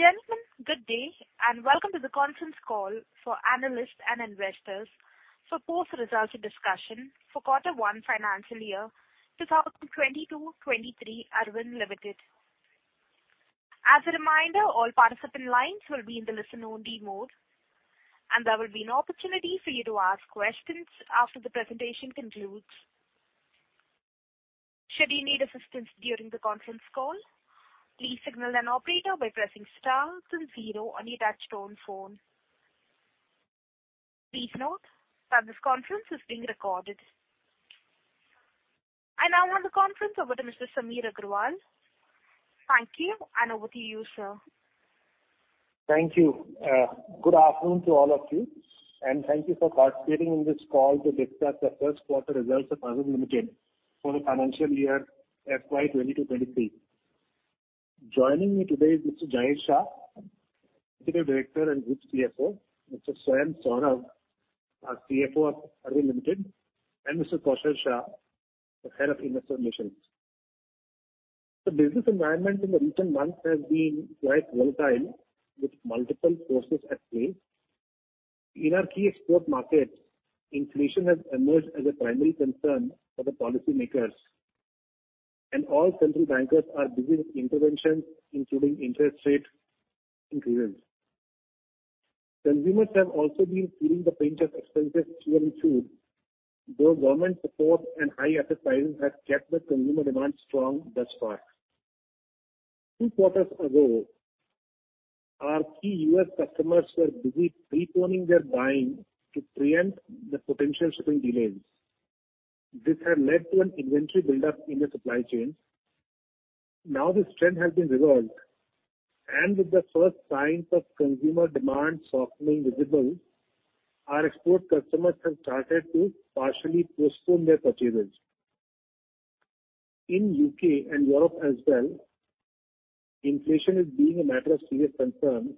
Ladies and gentlemen, good day, and welcome to the conference call for analysts and investors for post results discussion for quarter one financial year 2022-23 Arvind Limited. As a reminder, all participant lines will be in the listen-only mode, and there will be an opportunity for you to ask questions after the presentation concludes. Should you need assistance during the conference call, please signal an operator by pressing star then zero on your touch-tone phone. Please note that this conference is being recorded. I now hand the conference over to Mr. Sunil Agarwal. Thank you, and over to you, sir. Thank you. Good afternoon to all of you, and thank you for participating in this call to discuss the first quarter results of Arvind Limited for the financial year FY 2022-23. Joining me today is Mr. Jayesh Shah, Executive Director and Group CFO, Mr. Swayam Saurabh, our CFO of Arvind Limited, and Mr. Kaushal Shah, the Head of Investor Relations. The business environment in the recent months has been quite volatile, with multiple forces at play. In our key export markets, inflation has emerged as a primary concern for the policymakers, and all central bankers are busy with interventions, including interest rate increases. Consumers have also been feeling the pinch of expensive fuel and food, though government support and high appetite have kept the consumer demand strong thus far. Two quarters ago, our key U.S. customers were busy pre-planning their buying to preempt the potential shipping delays. This had led to an inventory buildup in the supply chain. Now, this trend has been reversed, and with the first signs of consumer demand softening visible, our export customers have started to partially postpone their purchases. In U.K. and Europe as well, inflation is being a matter of serious concern.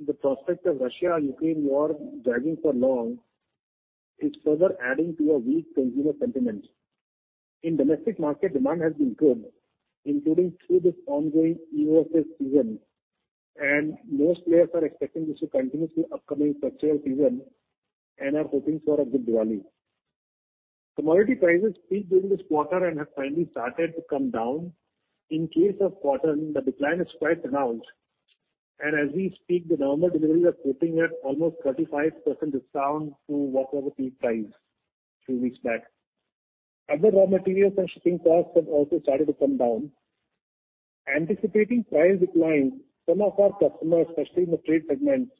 The prospect of Russia-Ukraine war dragging for long is further adding to a weak consumer sentiment. In domestic market, demand has been good, including through this ongoing EOSS season, and most players are expecting this to continue through upcoming festival season and are hoping for a good Diwali. Commodity prices peaked during this quarter and have finally started to come down. In case of cotton, the decline is quite pronounced, and as we speak, the normal deliveries are quoting at almost 35% discount to whatever peak price few weeks back. Other raw materials and shipping costs have also started to come down. Anticipating price decline, some of our customers, especially in the trade segment,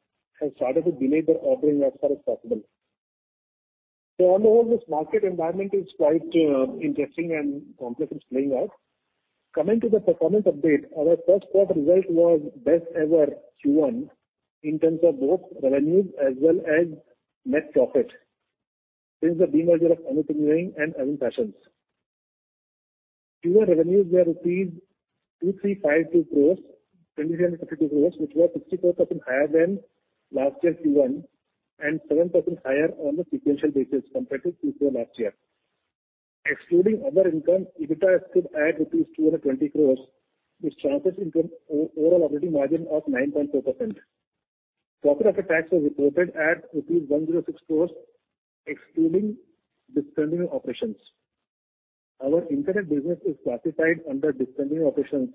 have started to delay their ordering as far as possible. On the whole, this market environment is quite interesting and complex it's playing out. Coming to the performance update, our first quarter result was best ever Q1 in terms of both revenues as well as net profit since the demerger of Arvind Engineering and Arvind Fashions. Q1 revenues were rupees 2,352 crore, 2,352 crore, which were 64% higher than last year's Q1, and 7% higher on a sequential basis compared to Q4 last year. Excluding other income, EBITDA stood at rupees 220 crore, which translates into overall operating margin of 9.2%. Profit after tax was reported at 106 crores, excluding discontinuing operations. Our internet business is classified under discontinuing operations,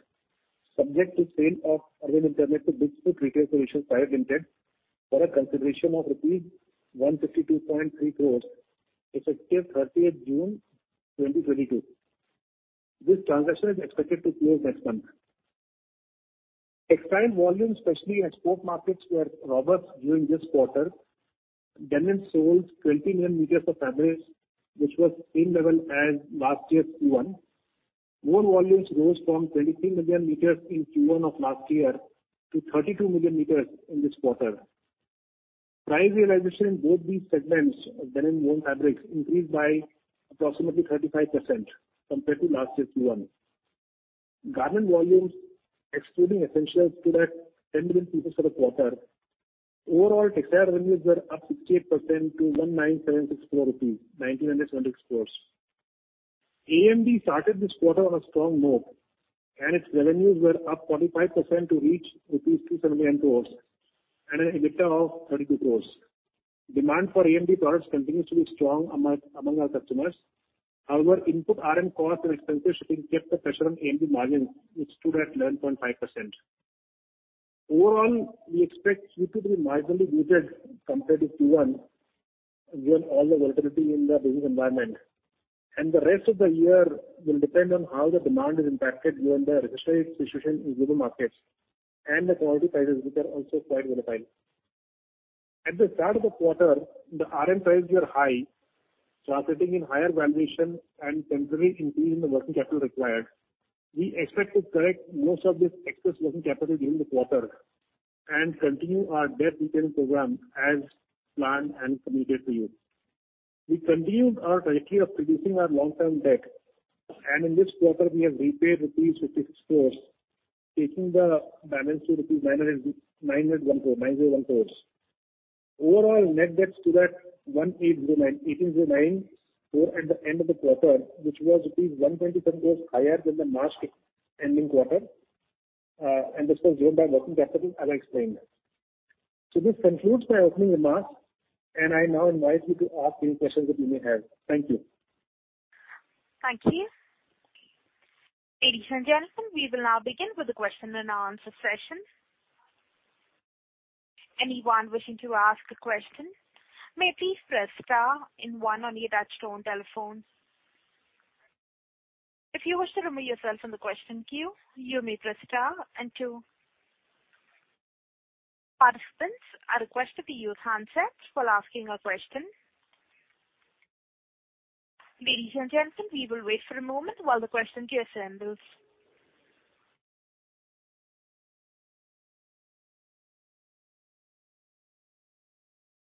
subject to sale of Arvind Internet to Reliance Retail Ventures Limited, for a consideration of rupees 152.3 crores, effective thirtieth June 2022. This transaction is expected to close next month. Textile volumes, especially in export markets, were robust during this quarter. Denim sold 20 million meters of fabrics, which was same level as last year's Q1. Woven volumes rose from 23 million meters in Q1 of last year to 32 million meters in this quarter. Price realization in both these segments, denim, woven fabrics, increased by approximately 35% compared to last year's Q1. Garment volumes, excluding essentials, stood at 10 million pieces for the quarter. Overall, textile revenues were up 60% to 1,976 crore rupees, 1,976 crores. AMD started this quarter on a strong note, and its revenues were up 45% to reach rupees 279 crore and an EBITDA of 32 crore. Demand for AMD products continues to be strong among our customers. However, input RM costs and expensive shipping kept the pressure on AMD margins, which stood at 11.5%. Overall, we expect Q2 to be marginally weaker compared to Q1, given all the volatility in the business environment, and the rest of the year will depend on how the demand is impacted given the inflationary situation in global markets and the commodity prices, which are also quite volatile. At the start of the quarter, the RM prices were high, resulting in higher valuation and temporarily increasing the working capital required. We expect to correct most of this excess working capital during the quarter and continue our debt repayment program as planned and communicated to you. We continued our trajectory of reducing our long-term debt, and in this quarter, we have repaid rupees 56 crores, taking the balance to rupees 999.01 crores. Overall net debt stood at 1,809.4 crores at the end of the quarter, which was rupees 127 crores higher than the March ending quarter. And this was driven by working capital, as I explained. So this concludes my opening remarks, and I now invite you to ask any questions that you may have. Thank you. Thank you. Ladies and gentlemen, we will now begin with the question and answer session. Anyone wishing to ask a question may please press star and one on your touch-tone telephone. If you wish to remove yourself from the question queue, you may press star and two. Participants are requested to use handsets while asking a question. Ladies and gentlemen, we will wait for a moment while the question queue assembles.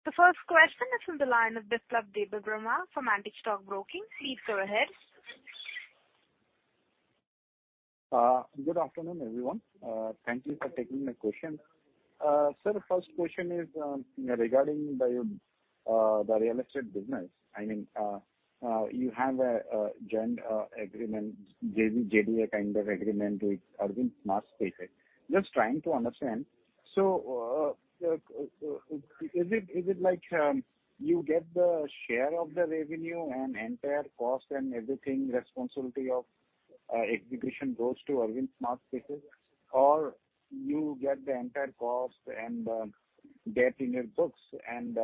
The first question is from the line of Pallav Agarwal from Antique Stock Broking. Please go ahead. Good afternoon, everyone. Thank you for taking my question. Sir, the first question is regarding the real estate business. I mean, you have a joint agreement, JDA kind of agreement with Arvind SmartSpaces. Just trying to understand. So, is it like you get the share of the revenue and entire cost and everything, responsibility of execution goes to Arvind SmartSpaces, or you get the entire cost and debt in your books, and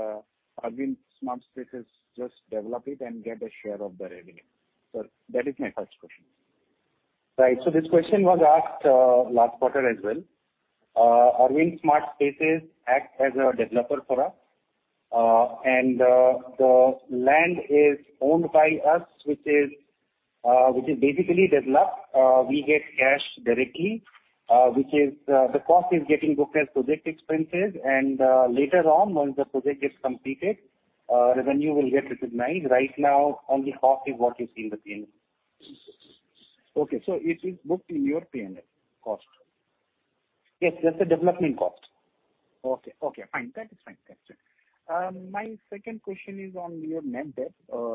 Arvind SmartSpaces just develop it and get a share of the revenue? Sir, that is my first question. Right. So this question was asked last quarter as well. Arvind SmartSpaces acts as a developer for us. The land is owned by us, which is basically developed. We get cash directly, the cost is getting booked as project expenses, and later on, once the project is completed, revenue will get recognized. Right now, only cost is what you see in the P&L. Okay, so it is booked in your P&L cost? Yes, that's the development cost. Okay. Okay, fine. That is fine. That's it. My second question is on your net debt.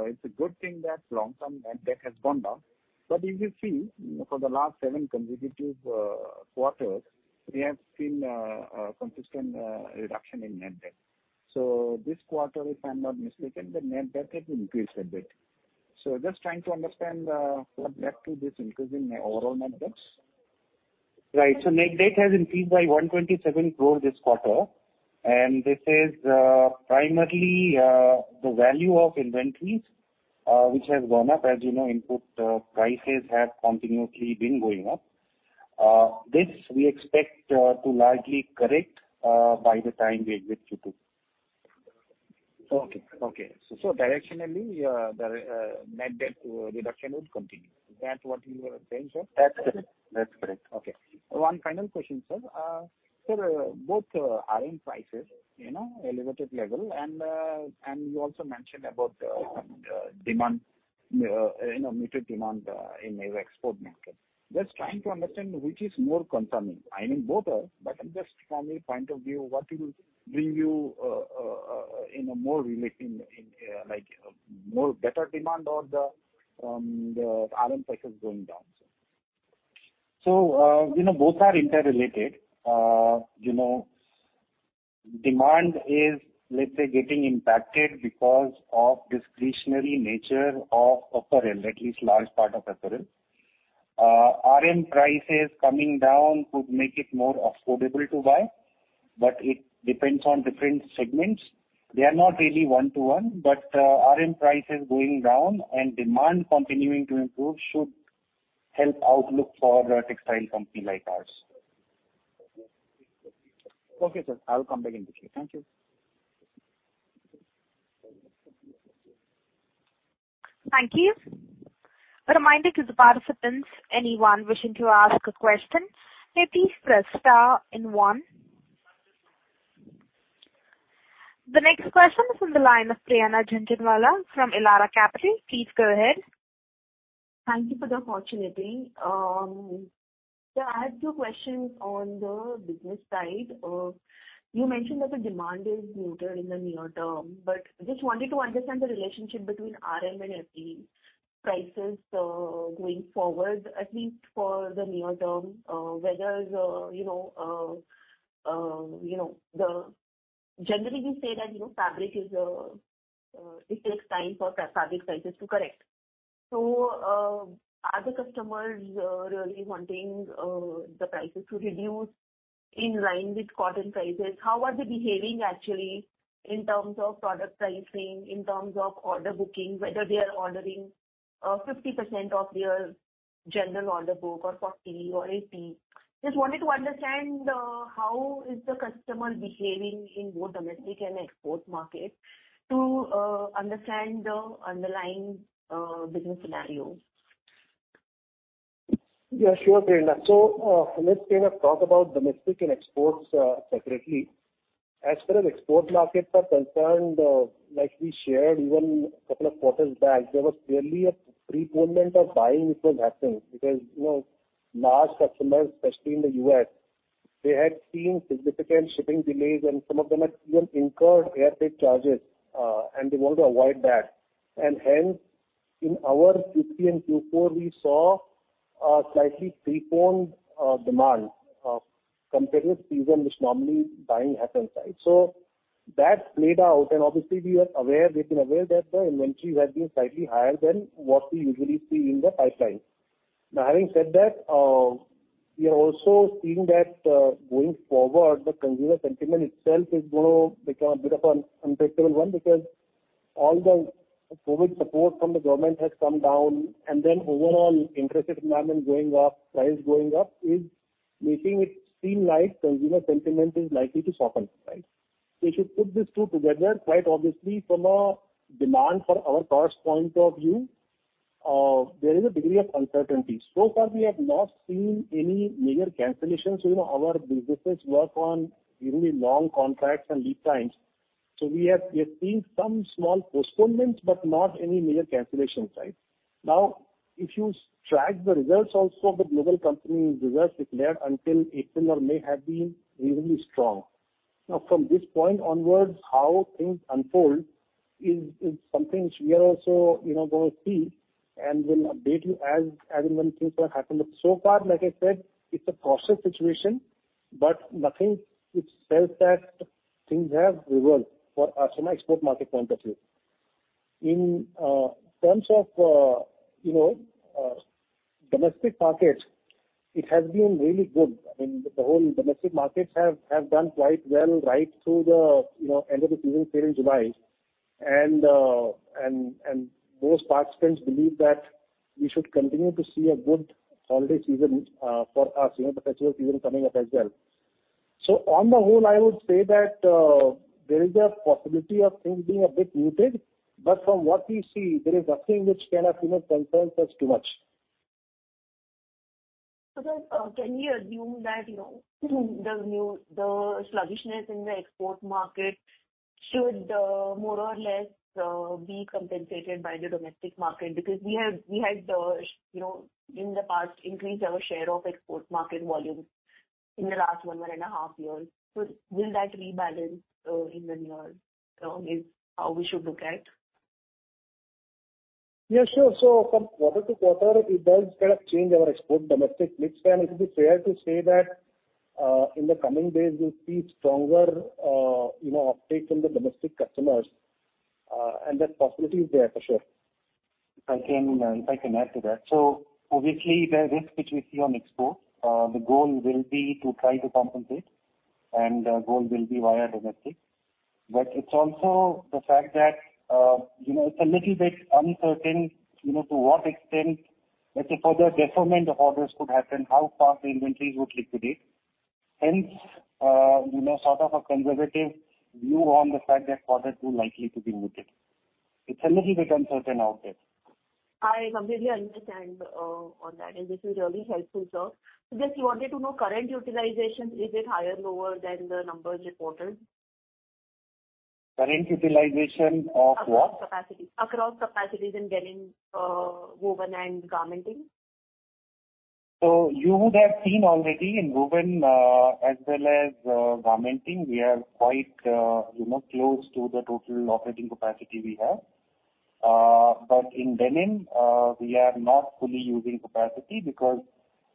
It's a good thing that long-term net debt has gone down, but if you see, for the last seven consecutive quarters, we have seen a consistent reduction in net debt. So this quarter, if I'm not mistaken, the net debt has increased a bit. So just trying to understand what led to this increase in overall net debts? Right. So net debt has increased by 127 crore this quarter, and this is primarily the value of inventories which has gone up. As you know, input prices have continuously been going up. This we expect to largely correct by the time we exit Q2. Okay. Okay. So, directionally, the net debt reduction would continue. Is that what you are saying, sir? That's correct. That's correct. Okay, one final question, sir. Sir, both RM prices, you know, elevated level, and, and you also mentioned about demand, you know, muted demand in your export market. Just trying to understand which is more concerning. I mean, both are, but just from a point of view, what will bring you, you know, more relief in, in, like, more better demand or the, the RM prices going down, sir? So, you know, both are interrelated. You know, demand is, let's say, getting impacted because of discretionary nature of apparel, at least large part of apparel. RM prices coming down could make it more affordable to buy, but it depends on different segments. They are not really one to one, but, RM prices going down and demand continuing to improve should help outlook for a textile company like ours. Okay, sir. I will come back in the queue. Thank you. Thank you. A reminder to the participants, anyone wishing to ask a question, may please press star and one. The next question is from the line of Prerna Jhunjhunwala from Elara Capital. Please go ahead. Thank you for the opportunity. Sir, I have two questions on the business side. You mentioned that the demand is muted in the near term, but just wanted to understand the relationship between RM and FG prices, going forward, at least for the near term. Whether you know, generally, we say that you know, fabric is, it takes time for fabric prices to correct. So, are the customers really wanting the prices to reduce in line with cotton prices? How are they behaving actually in terms of product pricing, in terms of order booking, whether they are ordering 50% of their general order book or 40 or 80? Just wanted to understand how is the customer behaving in both domestic and export markets to understand the underlying business scenario. Yeah, sure, Prerna. So, let's kind of talk about domestic and exports, separately. As far as export markets are concerned, like we shared even a couple of quarters back, there was clearly a prepayment of buying, which was happening, because, you know, large customers, especially in the U.S., they had seen significant shipping delays, and some of them had even incurred airfare charges, and they want to avoid that. And hence, in our Q3 and Q4, we saw a slightly preponed, demand, compared with season, which normally buying happens, right? So that played out, and obviously we are aware, we've been aware that the inventories have been slightly higher than what we usually see in the pipeline. Now, having said that, we are also seeing that, going forward, the consumer sentiment itself is going to become a bit of an unpredictable one, because all the COVID support from the government has come down, and then overall interest rate environment going up, price going up, is making it seem like consumer sentiment is likely to soften, right? So if you put these two together, quite obviously from a demand for our products point of view, there is a degree of uncertainty. So far, we have not seen any major cancellations. So you know our businesses work on really long contracts and lead times. So we have seen some small postponements, but not any major cancellation, right? Now, if you track the results also, the global company results declared until April or May have been reasonably strong. Now, from this point onwards, how things unfold is something we are also, you know, going to see and will update you as and when things are happening. But so far, like I said, it's a process situation, but nothing which says that things have reversed for us from an export market point of view. In terms of, you know, domestic markets, it has been really good. I mean, the whole domestic markets have done quite well, right through the end of the season period in July. And most participants believe that we should continue to see a good holiday season for us, you know, the festival season coming up as well. So on the whole, I would say that there is a possibility of things being a bit muted, but from what we see, there is nothing which kind of, you know, concerns us too much. So then, can we assume that, you know, the sluggishness in the export market should, more or less, be compensated by the domestic market? Because we have, we had, you know, in the past, increased our share of export market volumes in the last one and a half years. So will that rebalance in the near term, is how we should look at? Yeah, sure. So from quarter to quarter, it does kind of change our export domestic mix. And it will be fair to say that, in the coming days, we'll see stronger, you know, uptake from the domestic customers, and that possibility is there for sure. If I can, if I can add to that. So obviously, the risk which we see on export, the goal will be to try to compensate, and the goal will be via domestic. But it's also the fact that, you know, it's a little bit uncertain, you know, to what extent, let's say, further deferment of orders could happen, how fast the inventories would liquidate. Hence, you know, sort of a conservative view on the fact that orders are likely to be muted. It's a little bit uncertain out there. I completely understand, on that, and this is really helpful, sir. So just wanted to know, current utilization, is it higher, lower than the numbers reported? Current utilization of what? Capacity. Across capacities in denim, woven and garmenting. So you would have seen already in woven, as well as, garmenting, we are quite, you know, close to the total operating capacity we have. But in denim, we are not fully using capacity because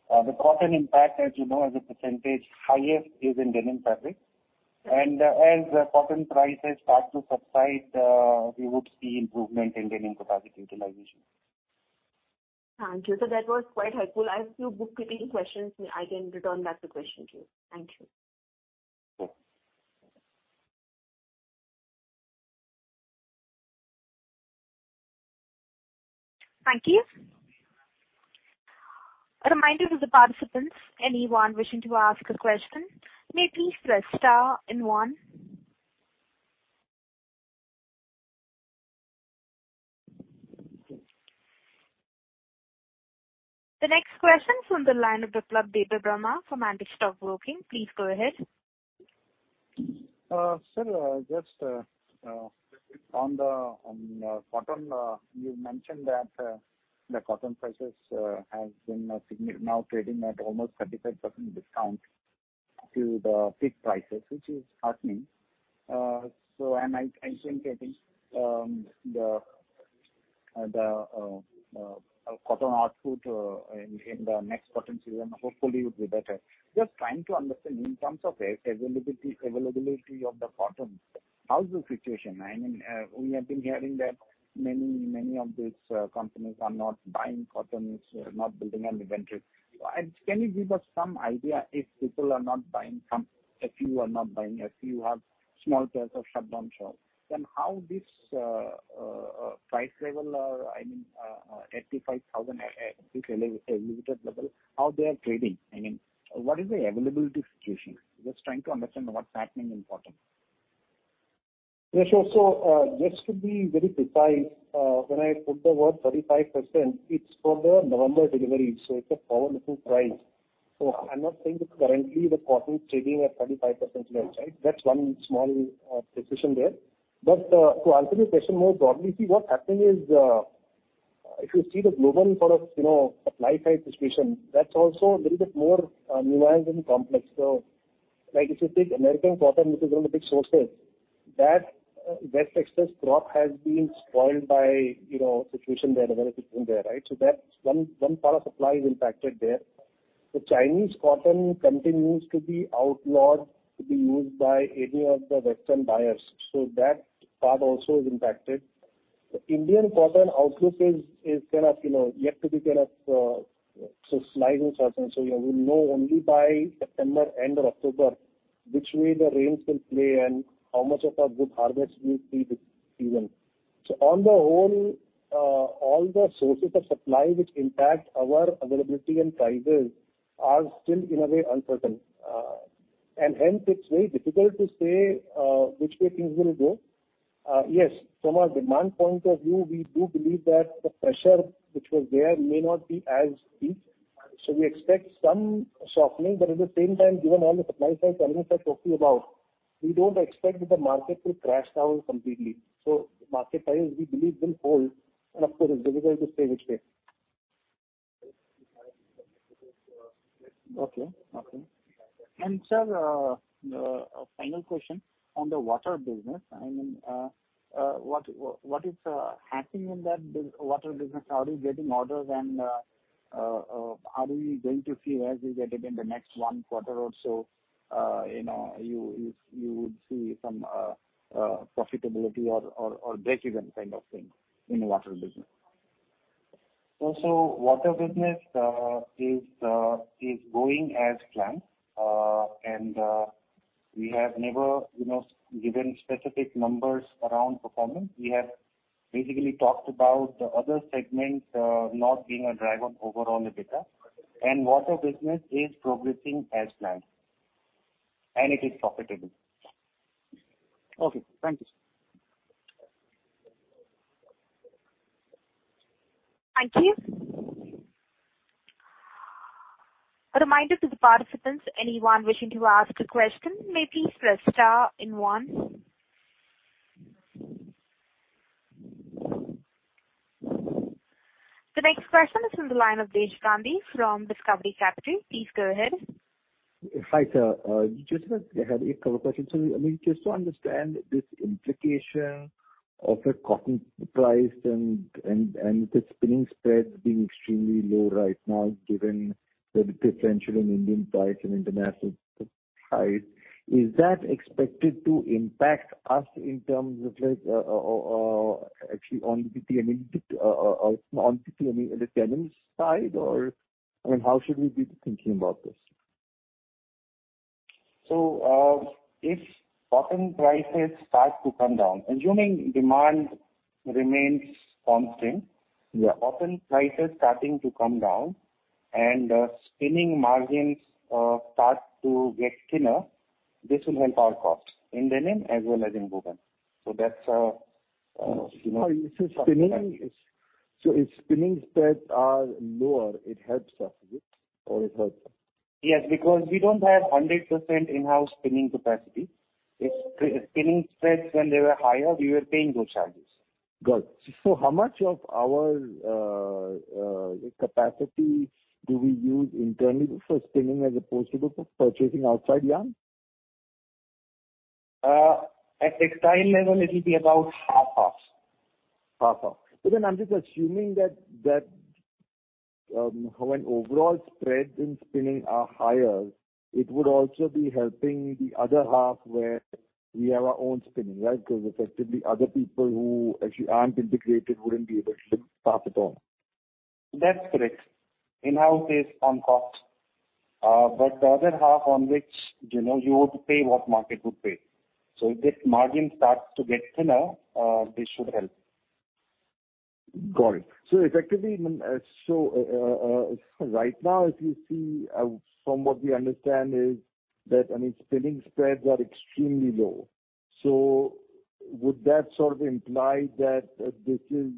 the cotton impact, as you know, as a percentage, highest is in denim fabric. And as the cotton prices start to subside, we would see improvement in denim capacity utilization. Thank you. So that was quite helpful. I have few bookkeeping questions. I can return back to question to you. Thank you. Sure. Thank you. A reminder to the participants, anyone wishing to ask a question, may please press star and one. The next question is from the line of Pallav Agarwal from Antique Stock Broking. Please go ahead. Sir, just on the cotton, you mentioned that the cotton prices have been now trading at almost 35% discount to the peak prices, which is heartening. So and I think, I think, the cotton output in the next cotton season, hopefully, would be better. Just trying to understand in terms of availability, availability of the cotton, how's the situation? I mean, we have been hearing that many, many of these companies are not buying cotton, so not building an inventory. Can you give us some idea if people are not buying from—a few are not buying, a few have small pairs of shutdown shop, then how this price level, I mean, 85,000 at candy level, how they are trading? I mean, what is the availability situation? Just trying to understand what's happening in cotton. Yeah, sure. So, just to be very precise, when I put the word 35%, it's for the November delivery, so it's a forward-looking price. So I'm not saying that currently the cotton is trading at 35% left, right? That's one small precision there. But, to answer your question more broadly, see, what happened is, if you see the global sort of, you know, supply side situation, that's also a little bit more nuanced and complex. So like if you take American cotton, which is one of the big sources, that excess crop has been spoiled by, you know, situation there, available in there, right? So that's one part of supply is impacted there. The Chinese cotton continues to be outlawed, to be used by any of the Western buyers, so that part also is impacted. The Indian cotton outlook is kind of, you know, yet to be kind of so slightly certain. So yeah, we know only by September, end of October, which way the rains will play and how much of a good harvest we see this season. So on the whole, all the sources of supply which impact our availability and prices are still, in a way, uncertain. And hence it's very difficult to say which way things will go. Yes, from a demand point of view, we do believe that the pressure which was there may not be as steep. So we expect some softening, but at the same time, given all the supply side challenges I talked to you about, we don't expect that the market will crash down completely. Market prices, we believe, will hold, and of course, it's difficult to say which way. Okay, okay. Sir, final question on the water business. I mean, what is happening in that water business? Are you getting orders and, how do we going to see as we get it in the next one quarter or so, you know, you would see some profitability or breakeven kind of thing in the water business? So, water business is going as planned. And we have never, you know, given specific numbers around performance. We have basically talked about the other segments not being a driver of overall EBITDA. And water business is progressing as planned, and it is profitable. Okay, thank you. Thank you. A reminder to the participants, anyone wishing to ask a question, may please press star one. The next question is from the line of Riddhesh Gandhi from Discovery Capital. Please go ahead. Hi, sir. You just had a couple questions. So I mean, just to understand this implication of the cotton price and the spinning spreads being extremely low right now, given the differential in India price and international price, is that expected to impact us in terms of like, actually on the denim side, or I mean, how should we be thinking about this? If cotton prices start to come down, assuming demand remains constant- Yeah. Cotton prices starting to come down and, spinning margins start to get thinner, this will help our costs in denim as well as in woven. So that's, you know- So if spinning spreads are lower, it helps us, yes, or it helps? Yes, because we don't have 100% in-house spinning capacity. If spinning spreads, when they were higher, we were paying those charges. Got it. So how much of our capacity do we use internally for spinning as opposed to purchasing outside yarn? At textile level, it will be about half, half. Half, half. So then I'm just assuming that, that, when overall spreads in spinning are higher, it would also be helping the other half where we have our own spinning, right? Because effectively, other people who actually aren't integrated wouldn't be able to profit on. That's correct. In-house is on cost, but the other half on which, you know, you would pay what market would pay. So if this margin starts to get thinner, this should help. Got it. So effectively, right now, if you see, from what we understand is that, I mean, spinning spreads are extremely low. So would that sort of imply that this is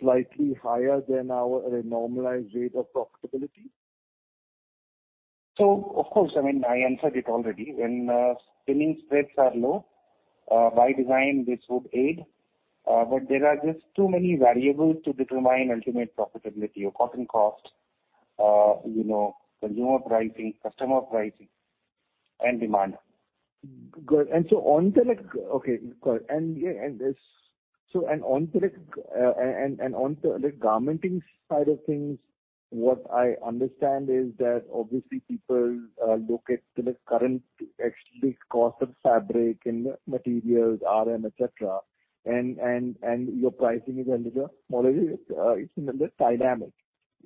slightly higher than our normalized rate of profitability? So of course, I mean, I answered it already. When spinning spreads are low, by design, this would aid, but there are just too many variables to determine ultimate profitability or cotton cost, you know, consumer pricing, customer pricing, and demand. Good. Okay, got it. So on to the garmenting side of things, what I understand is that obviously people look at the current actually cost of fabric and materials, RM, et cetera, and your pricing is under the model, it's under dynamic.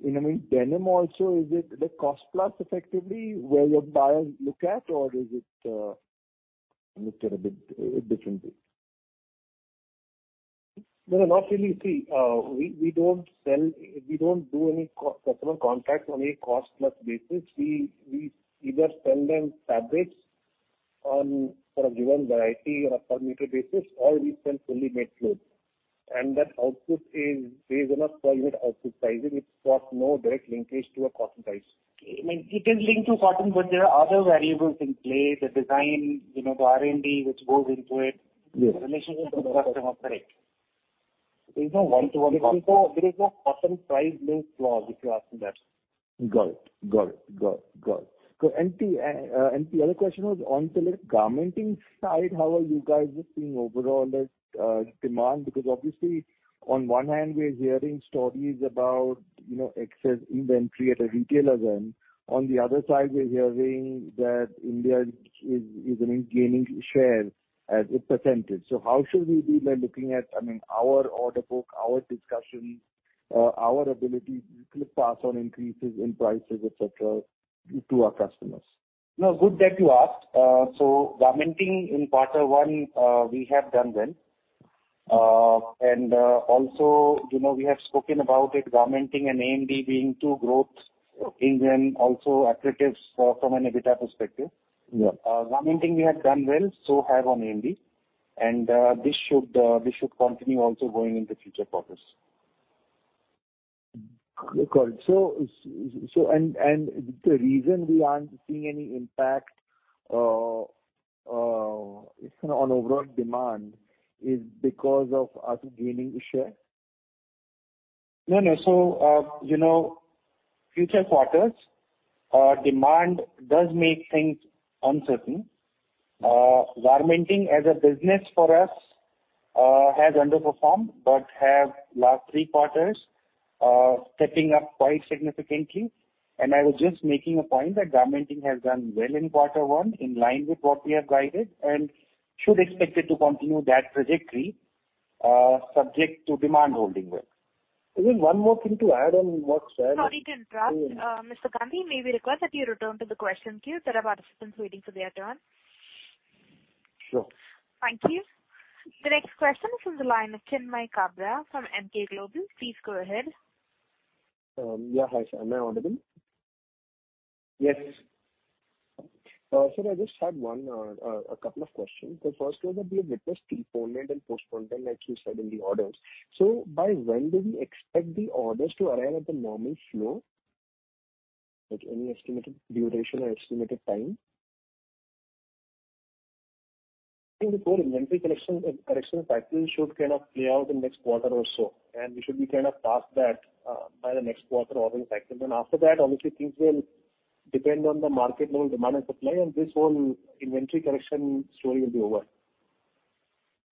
You know, I mean, denim also, is it the cost plus effectively, where your buyers look at, or is it looked at a bit differently? No, not really. See, we don't sell—we don't do any customer contracts on a cost plus basis. We either sell them fabrics on, for a given variety, on a per meter basis, all we can fully make good. And that output is based on a per unit output sizing. It's got no direct linkage to a cotton price. I mean, it is linked to cotton, but there are other variables in play, the design, you know, the R&D, which goes into it. Yes. Relationships with the customer, correct. There's no one-to-one. There is no cotton price link clause, if you're asking that. Got it. Got it. Got it. So, the other question was on the garmenting side, how are you guys seeing overall the demand? Because obviously, on one hand, we're hearing stories about, you know, excess inventory at a retailer end. On the other side, we're hearing that India is, I mean, gaining share as a percentage. So how should we be by looking at, I mean, our order book, our discussions, our ability to pass on increases in prices, et cetera, to our customers? No, good that you asked. So garmenting in quarter one, we have done well. And, also, you know, we have spoken about it, garmenting and AMD being two growth engine, also accretives from an EBITDA perspective. Yeah. garmenting we have done well, so have on AMD, and, this should continue also going in the future quarters. Okay. So, so... And, and the reason we aren't seeing any impact on overall demand is because of us gaining share? No, no. So, you know, future quarters, demand does make things uncertain. garmenting as a business for us has underperformed, but have last three quarters stepping up quite significantly. And I was just making a point that garmenting has done well in quarter one, in line with what we have guided, and should expect it to continue that trajectory, subject to demand holding well. Is there one more thing to add on what's- Sorry to interrupt. Mr. Gandhi, may we request that you return to the question queue? There are participants waiting for their turn. Sure. Thank you. The next question is from the line of Chinmay Kabra from Emkay Global. Please go ahead. Yeah. Hi, sir. Am I audible? Yes. Sir, I just had one, a couple of questions. The first was that we have witnessed postponement and postponement, like you said, in the orders. So by when do we expect the orders to arrive at the normal flow? Like, any estimated duration or estimated time? I think the whole inventory correction, correction cycle should kind of play out in the next quarter or so, and we should be kind of past that by the next quarter or in the second. Then after that, obviously, things will depend on the market, no demand and supply, and this whole inventory correction story will be over.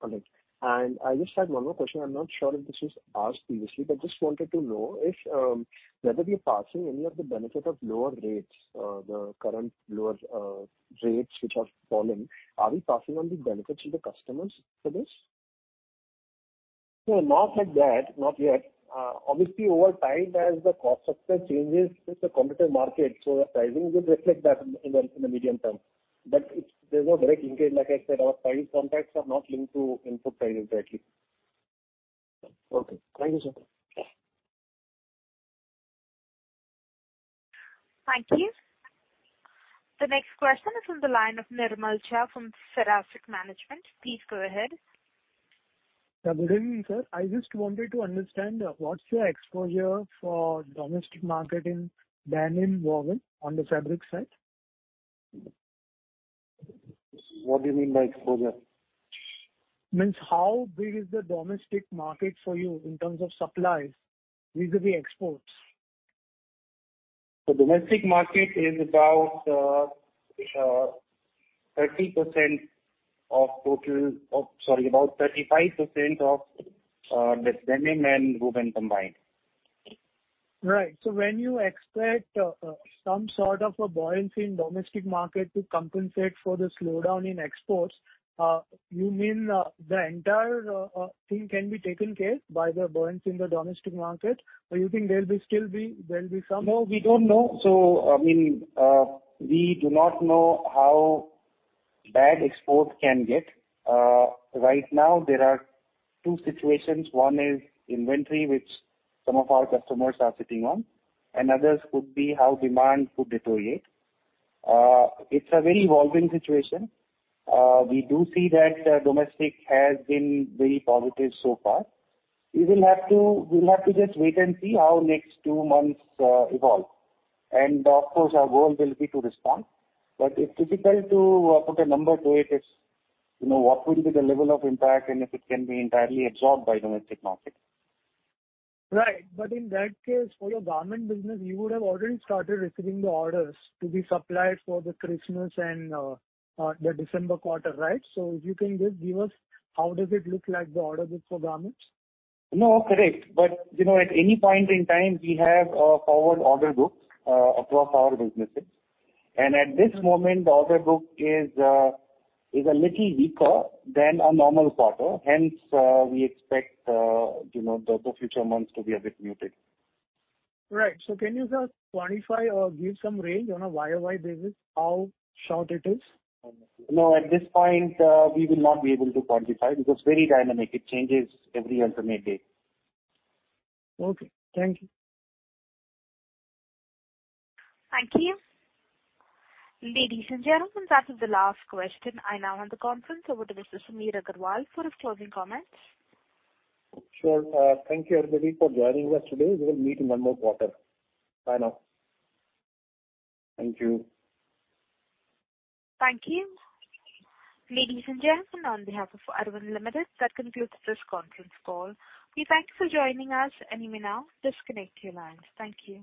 Okay. I just had one more question. I'm not sure if this was asked previously, but just wanted to know if whether we are passing any of the benefit of lower rates, the current lower, rates which have fallen, are we passing on the benefits to the customers for this? No, not like that. Not yet. Obviously, over time, as the cost structure changes, it's a competitive market, so the pricing would reflect that in the medium term. But there's no direct linkage. Like I said, our price contracts are not linked to input price entirely. Okay. Thank you, sir. Thank you. The next question is from the line of Nirmal Shah from Seraphic Management. Please go ahead. Good evening, sir. I just wanted to understand, what's your exposure for domestic market in denim woven on the fabric side? What do you mean by exposure? Means, how big is the domestic market for you in terms of supplies vis-à-vis exports? The domestic market is about 30% of total... Oh, sorry, about 35% of the denim and woven combined. Right. So when you expect some sort of a buoyancy in domestic market to compensate for the slowdown in exports, you mean the entire thing can be taken care by the buoyancy in the domestic market? Or you think there'll still be some- No, we don't know. So, I mean, we do not know how bad exports can get. Right now, there are two situations. One is inventory, which some of our customers are sitting on, and others could be how demand could deteriorate. It's a very evolving situation. We do see that domestic has been very positive so far. We will have to, we'll have to just wait and see how next two months evolve. And of course, our role will be to respond. But it's difficult to put a number to it. It's, you know, what will be the level of impact and if it can be entirely absorbed by domestic market. Right. But in that case, for your garment business, you would have already started receiving the orders to be supplied for the Christmas and the December quarter, right? So if you can just give us how does it look like, the order book for garments? No, correct. But you know, at any point in time, we have a forward order book across our businesses. And at this moment, the order book is a little weaker than a normal quarter. Hence, we expect, you know, the future months to be a bit muted. Right. So can you just quantify or give some range on a YOY basis, how short it is? No, at this point, we will not be able to quantify. It is very dynamic. It changes every alternate day. Okay. Thank you. Thank you. Ladies and gentlemen, that is the last question. I now hand the conference over to Mr. Sunil Agarwal for his closing comments. Sure. Thank you, everybody, for joining us today. We will meet in one more quarter. Bye now. Thank you. Thank you. Ladies and gentlemen, on behalf of Arvind Limited, that concludes this conference call. We thank you for joining us, and you may now disconnect your lines. Thank you.